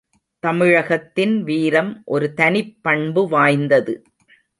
தமிழகத்தின் வீரம் ஒரு தனிப் பண்பு வாய்ந்தது.